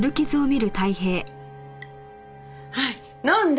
はい飲んで！